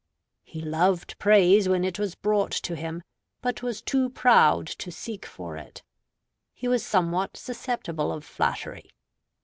He loved praise when it was brought to him, but was too proud to seek for it. He was somewhat susceptible of flattery.